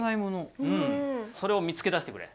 それを見つけ出してくれ。